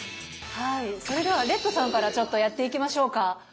はいそれではレッドさんからちょっとやっていきましょうか？